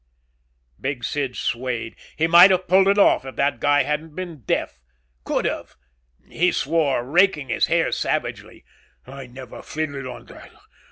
Big Sid swayed. He might have pulled it off if that guy hadn't been deaf. Could have. He swore, raking his hair savagely. "I never figured on that!